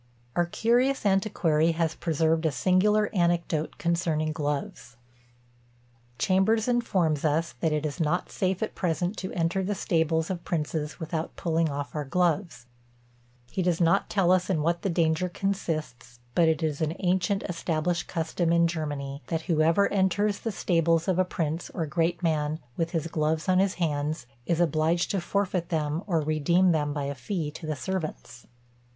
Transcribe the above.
Our curious antiquary has preserved a singular anecdote concerning gloves. Chambers informs us, that it is not safe at present to enter the stables of princes without pulling off our gloves. He does not tell us in what the danger consists; but it is an ancient established custom in Germany, that whoever enters the stables of a prince, or great man, with his gloves on his hands, is obliged to forfeit them, or redeem them by a fee to the servants.